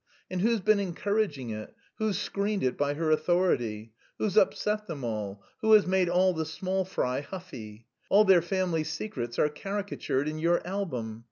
And who's been encouraging it? Who's screened it by her authority? Who's upset them all? Who has made all the small fry huffy? All their family secrets are caricatured in your album.